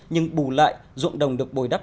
nhưng bù lại ruộng đồng được bồi đắp